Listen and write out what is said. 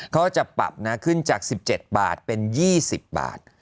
ก็จะปรับนะขึ้นจาก๑๗บาทเป็น๒๐บาท